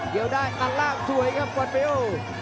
เดี๋ยวได้ครับวันวิโย